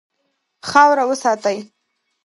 خاوره وساتئ.